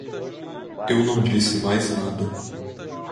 Eu não disse mais nada.